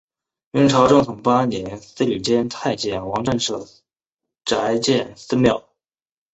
明朝正统八年司礼监太监王振舍宅建私庙。